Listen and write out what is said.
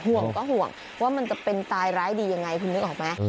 ห่วงก็ห่วงว่ามันจะเป็นตายร้ายดียังไงคุณนึกออกไหม